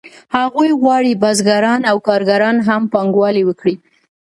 دوی غواړي بزګران او کارګران هم پانګوالي وکړي